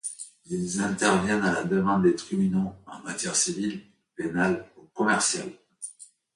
Ils interviennent à la demande des tribunaux en matière civile, pénale ou commerciale.